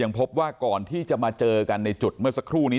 พบว่าก่อนที่จะมาเจอกันในจุดเมื่อสักครู่นี้